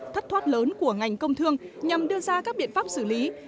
thất thoát lớn của ngành công thương nhằm đưa ra các biện pháp xử lý